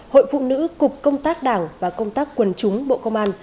hội phụ nữ cục công tác đảng và công tác quần chúng bộ công an